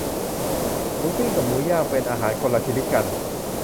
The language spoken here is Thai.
หมูปิ้ง กับหมูย่าง เป็นอาหารคนละชนิดกัน